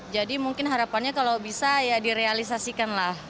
jadi mungkin harapannya kalau bisa ya direalisasikan lah